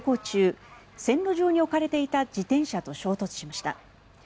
中線路上に置かれていた自転車と衝突しました。